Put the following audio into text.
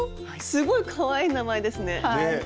すごいかわいい名前ですね。